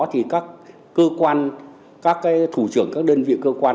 thì các cơ quan các thủ trưởng các đơn vị cơ quan